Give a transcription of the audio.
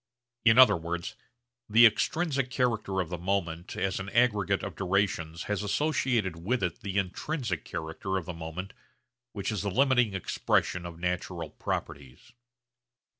In other words the extrinsic character of the moment as an aggregate of durations has associated with it the intrinsic character of the moment which is the limiting expression of natural properties.